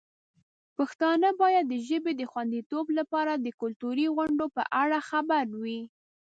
پښتانه باید د ژبې د خوندیتوب لپاره د کلتوري غونډو په اړه خبر وي.